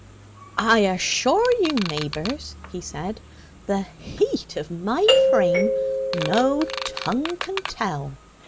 "I assure you, neighbours," he said, "the heat of my frame no tongue can tell!"